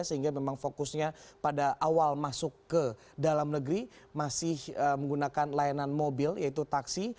sehingga memang fokusnya pada awal masuk ke dalam negeri masih menggunakan layanan mobil yaitu taksi